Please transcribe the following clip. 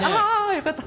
よかった。